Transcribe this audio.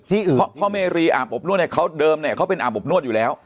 พ่อเมรีอาบอบนวดเนี่ยเขาเดิมเนี่ยเขาเป็นอาบอบนวดอยู่แล้ว